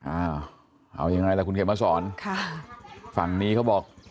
อ้าวเอายังไงล่ะคุณเคชมัสรข้างนี้เขาบอก